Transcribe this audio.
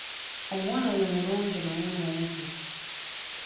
Omuwala oyo mulungi naye mumpi.